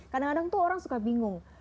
kadang kadang tuh orang suka bingung